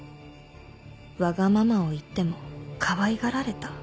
「わがままを言ってもかわいがられた」